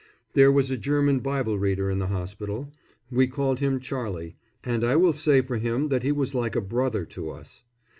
There was a German Bible reader in the hospital. We called him Charlie, and I will say for him that he was like a brother to us.